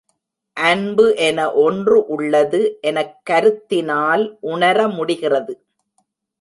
அன்பு என ஒன்று உள்ளது எனக் கருத்தினால் உணரமுடிகிறது.